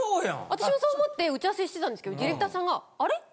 私もそう思って打ち合わせしてたんですけどディレクターさんが。